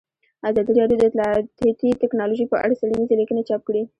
ازادي راډیو د اطلاعاتی تکنالوژي په اړه څېړنیزې لیکنې چاپ کړي.